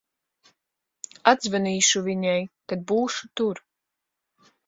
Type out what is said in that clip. Atzvanīšu viņai, kad būšu tur.